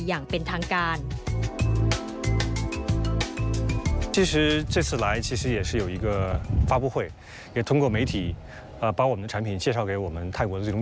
อย่างเป็นทางการ